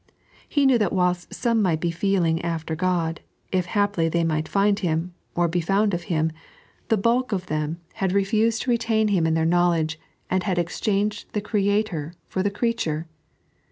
He knew that whilst some might be feeling after Ood, if h^ly they might find Him, or be found of Him, the bulk of them had 3.n.iized by Google " Sons op God." 161 refused to retom Him in their knowledge, and hod exchanged the Creator for the creature.